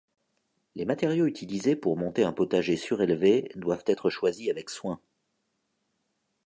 Les matériaux utilisés pour monter un potager surélevé doivent être choisis avec soin.